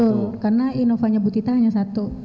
betul karena inovanya butita hanya satu